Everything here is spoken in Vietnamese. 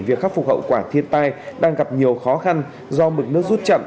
việc khắc phục hậu quả thiên tai đang gặp nhiều khó khăn do mực nước rút chậm